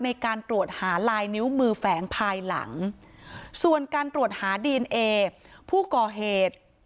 ในการตรวจหาลายนิ้วมือแฝงภายหลังส่วนการตรวจหาดีเอนเอผู้ก่อเหตุ